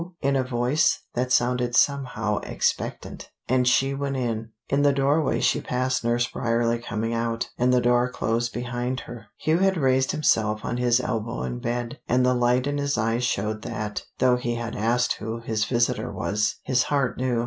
in a voice that sounded somehow expectant, and she went in. In the doorway she passed Nurse Bryerley coming out, and the door closed behind her. Hugh had raised himself on his elbow in bed, and the light in his eyes showed that, though he had asked who his visitor was, his heart knew.